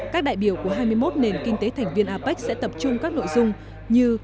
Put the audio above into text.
các đại biểu của hai mươi một nền kinh tế thành viên apec sẽ tập trung các nội dung như